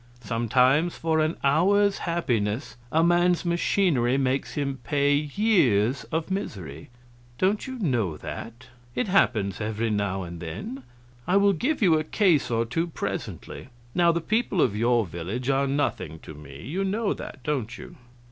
Sometimes for an hour's happiness a man's machinery makes him pay years of misery. Don't you know that? It happens every now and then. I will give you a case or two presently. Now the people of your village are nothing to me you know that, don't you?"